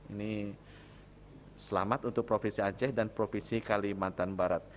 ini selamat untuk provinsi aceh dan provinsi kalimantan barat